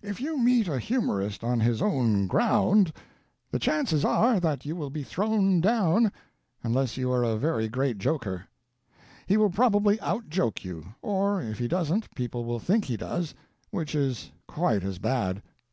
"If you meet a humorist on his own ground the chances are that you will be thrown down, unless you are a very great joker; he will probably outjoke you, or if he doesn't people will think he does, which is quite as bad.